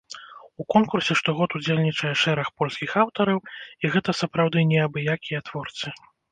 У конкурсе штогод удзельнічае шэраг польскіх аўтараў, і гэта сапраўды не абы-якія творцы.